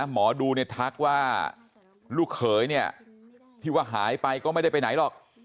หมอดูเนี่ยทักว่าลูกเขยเนี่ยที่ว่าหายไปก็ไม่ได้ไปไหนหรอก